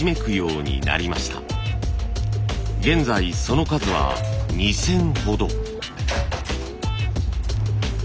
現在その数は２，０００ほど。